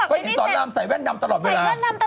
คงคนเองสอนลำใส่แว่นดำตลอดเวลา